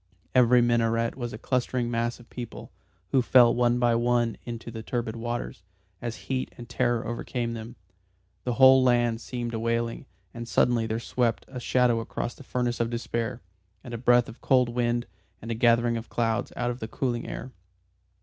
Every minaret was a clustering mass of people, who fell one by one into the turbid waters, as heat and terror overcame them. The whole land seemed a wailing, and suddenly there swept a shadow across that furnace of despair, and a breath of cold wind, and a gathering of clouds, out of the cooling air.